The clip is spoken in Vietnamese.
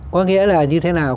có nghĩa là như thế nào